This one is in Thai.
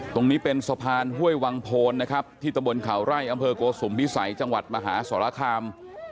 ตรงนี้เป็นสะพานห้วยวังโพนนะครับที่ตะบนเขาไร่อำเภอโกสุมพิสัยจังหวัดมหาสรคาม